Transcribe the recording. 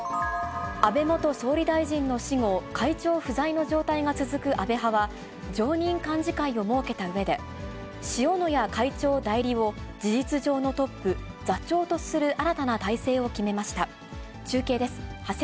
安倍元総理大臣の死後、会長不在の状態が続く安倍派は、常任幹事会を設けたうえで、塩谷会長代理を事実上のトップ、座長とする新たな体制を決めました。